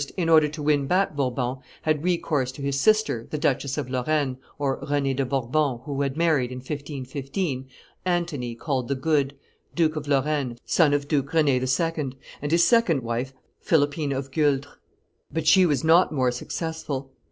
in order to win back Bourbon, had recourse to his sister, the Duchess of Lorraine [Renee de Bourbon, who had married, in 1515, Antony, called the Good, Duke of Lorraine, son of Duke Rend II. and his second wife, Philippine of Gueldres]: but she was not more successful.